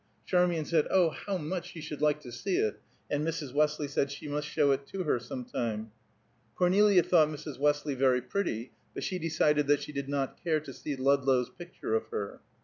Charmian said, Oh, how much she should like to see it, and Mrs. Westley said she must show it her some time. Cornelia thought Mrs. Westley very pretty, but she decided that she did not care to see Ludlow's picture of her.